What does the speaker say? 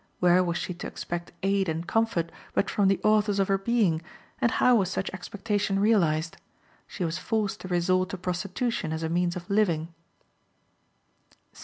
Where was she to expect aid and comfort but from the authors of her being, and how was such expectation realized? She was forced to resort to prostitution as a means of living.